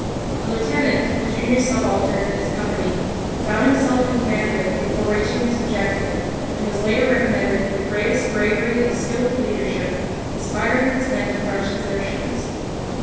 A Lieutenant, a junior subaltern in his company, found himself in command of it before reaching his objective and was later recommended for the greatest bravery and skilful leadership, inspiring his men to fresh exertions.